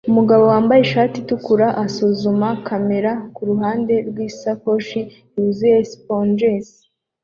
Umugabo wambaye ishati itukura asuzuma kamera kuruhande rwisakoshi yuzuye sponges